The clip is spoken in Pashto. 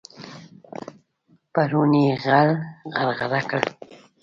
پرون يې غل غرغړه کړ.